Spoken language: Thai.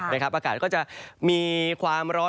อากาศก็จะมีความร้อน